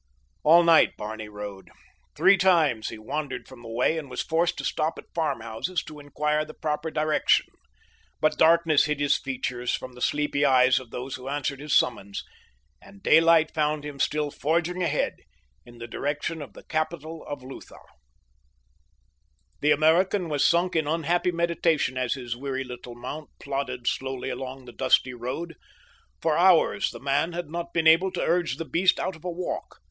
All night Barney rode. Three times he wandered from the way and was forced to stop at farmhouses to inquire the proper direction; but darkness hid his features from the sleepy eyes of those who answered his summons, and daylight found him still forging ahead in the direction of the capital of Lutha. The American was sunk in unhappy meditation as his weary little mount plodded slowly along the dusty road. For hours the man had not been able to urge the beast out of a walk.